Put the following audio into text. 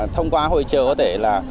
thông qua hỗ trợ có thể là